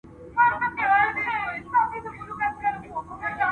په تعلیم کي کیفیت ټولنه عادلانه کوي.